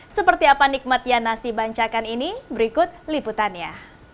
seperti apa nikmatnya nasi bancakan ini berikut liputannya